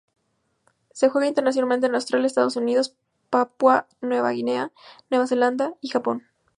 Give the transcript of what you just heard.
Se juega internacionalmente en Australia, Estados Unidos, Papúa Nueva Guinea, Nueva Zelanda y Japón.